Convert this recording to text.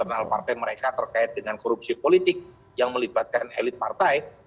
internal partai mereka terkait dengan korupsi politik yang melibatkan elit partai